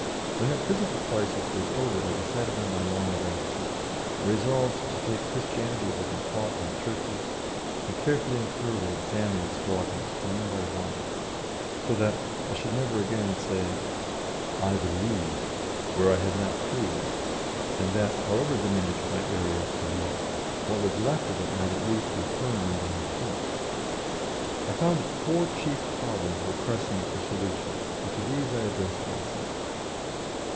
When that physical crisis was over I decided on my line of action. I resolved to take Christianity as it had been taught in the Churches, and carefully and thoroughly examine its dogmas one by one, so that I should never again say "I believe" where I had not proved, and that, however diminished my area of belief, what was left of it might at least be firm under my feet. I found that four chief problems were pressing for solution, and to these I addressed myself.